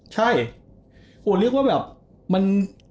ใช่โอ้เรียกว่าแบบมัน